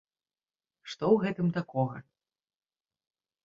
Што ў гэтым такога?